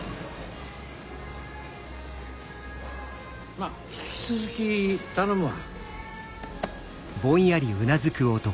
まあ引き続き頼むわ。